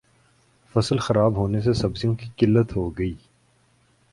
فصل خراب ہونے سے سبزیوں کی قلت ہوگئی